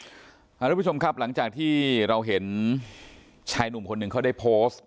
คุณผู้ชมครับหลังจากที่เราเห็นชายหนุ่มคนหนึ่งเขาได้โพสต์